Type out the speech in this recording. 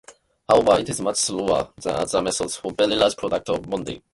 However, it is much slower than other methods, for very large products of moduli.